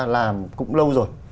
làm cũng lâu rồi